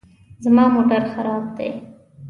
زما موټر خراب دی